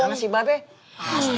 udah di sini aja tinggalnya